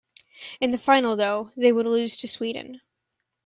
In the final though, they would lose to Sweden.